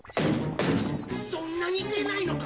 そんなに出ないのか？